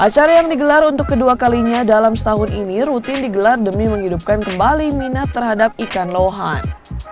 acara yang digelar untuk kedua kalinya dalam setahun ini rutin digelar demi menghidupkan kembali minat terhadap ikan lohan